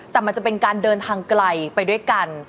แต่มันจะเป็นการเดินทางไกลไปด้วยกัน